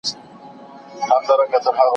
ذمي په اسلامي خاوره کي مېلمه دی.